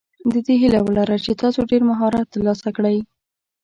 د دې هیله ولره چې تاسو ډېر مهارت ترلاسه کړئ.